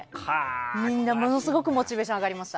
みんな、ものすごくモチベーション上がりました。